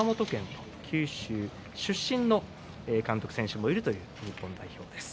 九州出身の監督、選手もいるという日本代表です。